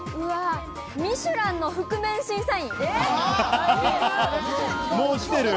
ミシュランの覆面審査員。